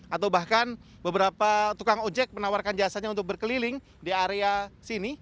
atau bahkan beberapa tukang ojek menawarkan jasanya untuk berkeliling di area sini